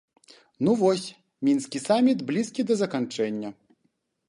Ну вось, мінскі саміт блізкі да заканчэння.